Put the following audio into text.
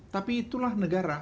tapi itulah negara